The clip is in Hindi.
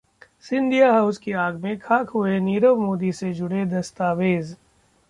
सिंधिया हाउस की आग में खाक हुए नीरव मोदी से जुड़े दस्तावेज?